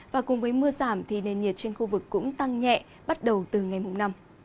và cùng với mưa giảm thì nền nhiệt trên khu vực cũng tăng nhẹ bắt đầu từ ngày mùng năm